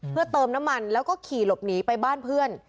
เพื่อเติมน้ำมันแล้วก็ขี่หลบหนีไปบ้านเพื่อน